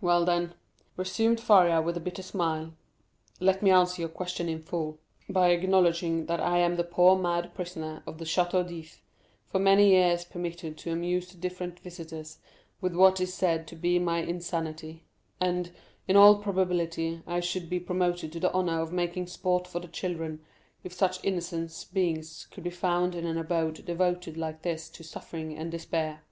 "Well, then," resumed Faria with a bitter smile, "let me answer your question in full, by acknowledging that I am the poor mad prisoner of the Château d'If, for many years permitted to amuse the different visitors with what is said to be my insanity; and, in all probability, I should be promoted to the honor of making sport for the children, if such innocent beings could be found in an abode devoted like this to suffering and despair."